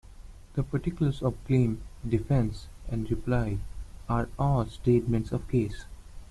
The Particulars of Claim, Defence and Reply are all statements of case.